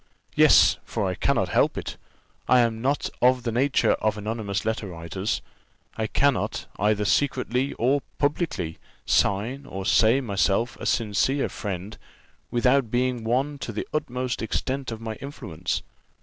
Yes, for I cannot help it I am not of the nature of anonymous letter writers; I cannot, either secretly or publicly, sign or say myself a sincere friend, without being one to the utmost extent of my influence.